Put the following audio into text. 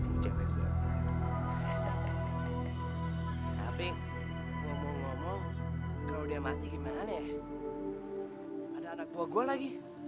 pak ini sudah sadar pak